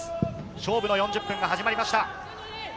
勝負の４０分が始まりました。